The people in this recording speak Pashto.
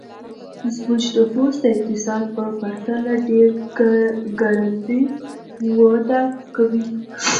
زموږ نفوس د اقتصاد په پرتله ډېر ګړندی وده کوي.